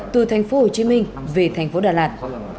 từ thành phố hồ chí minh về thành phố đà lạt